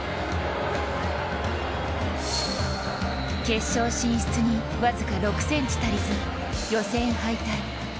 決勝進出に僅か６ｃｍ足りず予選敗退。